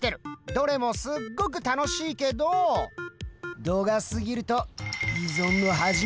どれもすっごく楽しいけど度が過ぎると依存の始まりだよ！